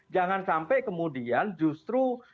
jangan sampai kemudian justru